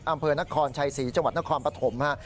อำเภอนครชัย๔จนครปฐมฮะ